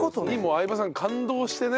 相葉さんが感動してね。